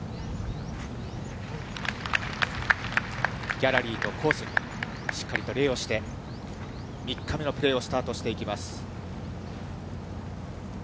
ギャラリーとコースに、しっかりと礼をして、３日目のプレーをスタートしていきます。